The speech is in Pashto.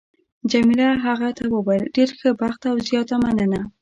جميله هغه ته وویل: ډېر ښه بخت او زیاته مننه.